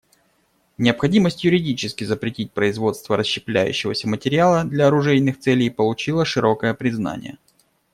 Необходимость юридически запретить производство расщепляющегося материала для оружейных целей получила широкое признание.